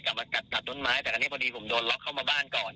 มากัดตัดต้นไม้แต่อันนี้พอดีผมโดนล็อกเข้ามาบ้านก่อน